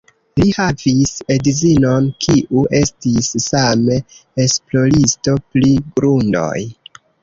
Li havis edzinon, kiu estis same esploristo pri grundoj.